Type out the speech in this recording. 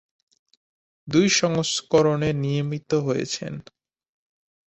দুই সংস্করণে নিয়মিত হয়েছেন।